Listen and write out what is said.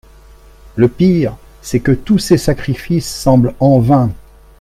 Le pire, c’est que tous ces sacrifices semblent en vain.